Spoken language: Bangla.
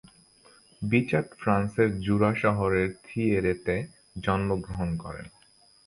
বিচাট ফ্রান্সের জুরা শহরের থিয়েরেতে জন্মগ্রহণ করেন।